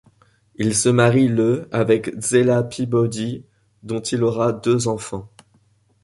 Il se marie le avec Zella Peabody dont il aura deux enfants.